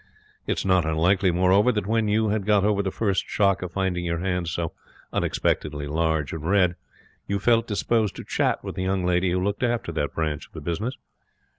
It is not unlikely, moreover, that when you had got over the first shock of finding your hands so unexpectedly large and red, you felt disposed to chat with the young lady who looked after that branch of the business.